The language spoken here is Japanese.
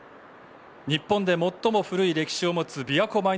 日本で最も古い歴史を持つびわ湖